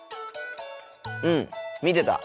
うん見てた。